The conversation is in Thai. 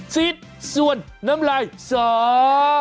ซิดส่วนน้ำลายสอง